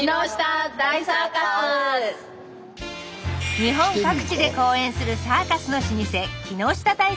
日本各地で公演するサーカスの老舗木下大サーカス。